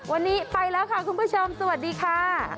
วันนี้ไปแล้วค่ะคุณผู้ชมสวัสดีค่ะ